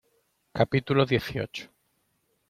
capítulo dieciocho.